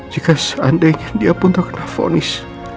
jika seandainya dia pun terkena fonis